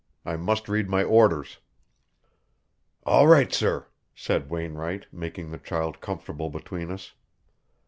I must read my orders." "All right, sir," said Wainwright, making the child comfortable between us.